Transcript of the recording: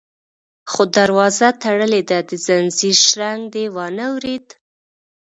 _خو دروازه تړلې ده، د ځنځير شرنګ دې وانه ورېد؟